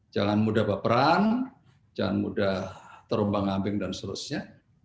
jangan mudah berperan jangan mudah terumbang ambing dan seterusnya